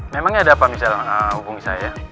memangnya ada apa misalnya hubungi saya